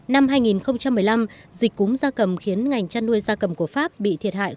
ngay từ đầu năm hai nghìn một mươi năm dịch cúm da cầm khiến ngành chăn nuôi da cầm của pháp bị thiệt hại